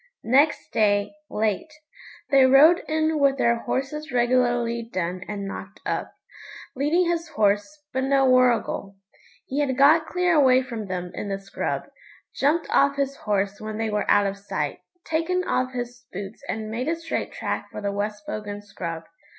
Next day, late, they rode in with their horses regularly done and knocked up, leading his horse, but no Warrigal. He had got clear away from them in the scrub, jumped off his horse when they were out of sight, taken off his boots and made a straight track for the West Bogan scrub.